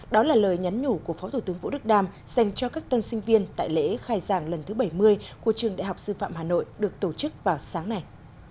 đó là lời nhắn nhủ của phó thủ tướng vũ đức đam dành cho các tân sinh viên tại lễ khai giảng lần thứ bảy mươi của trường đại học sư phạm hà nội được tổ chức vào sáng nay